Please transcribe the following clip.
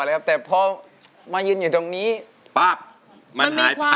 มันมายืนอยู่ตรงนี้ปั๊บมันหายไป